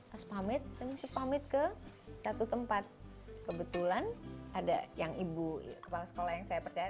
pas pamit saya masih pamit ke satu tempat kebetulan ada yang ibu kepala sekolah yang saya percaya